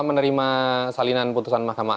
menerima salinan putusan mahkamah